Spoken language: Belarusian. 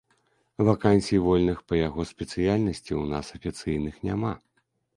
Вакансій вольных па яго спецыяльнасці ў нас афіцыйных няма.